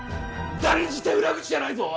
断じて裏口じゃないぞ！